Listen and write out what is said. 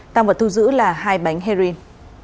tăng vật thu giữ là hai bánh heroin